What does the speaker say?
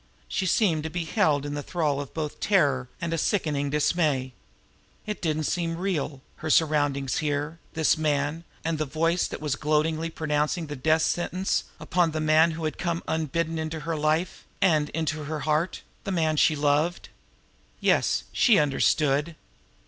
She seemed to be held in thrall by both terror and a sickening dismay. It did not seem real, her surroundings here, this man, and the voice that was gloatingly pronouncing the death sentence upon the man who had come unbidden into her life, and into her heart, the man she loved. Yes, she understood!